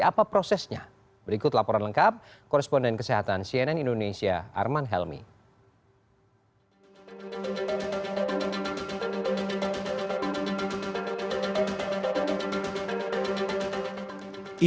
apa prosesnya berikut laporan lengkap koresponden kesehatan cnn indonesia arman helmi